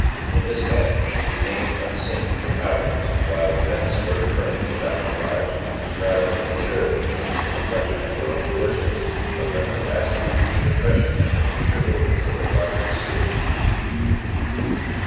In this manner she remained unseen for hours, while events were occurring without the lodge, which not only materially changed the complexion of her own fortunes, but left a lasting and deep impression on the future movements of the wandering Sioux.